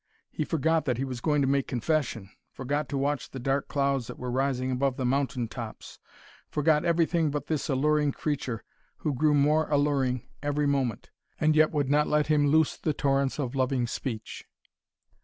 He forgot that he was going to make confession, forgot to watch the dark clouds that were rising above the mountain tops, forgot everything but this alluring creature, who grew more alluring every moment, and yet would not let him loose the torrents of loving speech.